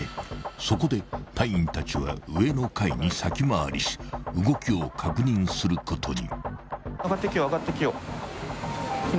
［そこで隊員たちは上の階に先回りし動きを確認することに］